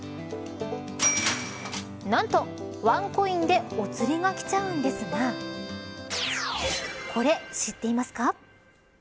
何と、ワンコインでお釣がきちゃうんですがこれ、知っていますか。